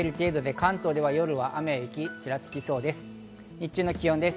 関東でも夜は雨や雪がちらつきそうです。